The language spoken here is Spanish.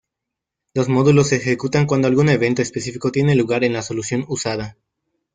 Los módulos se ejecutan cuando algún evento específico tiene lugar en la solución usada.